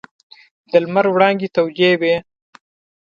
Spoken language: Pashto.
د لمر وړانګې تودې وې.